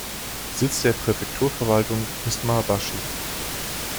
Sitz der Präfekturverwaltung ist Maebashi.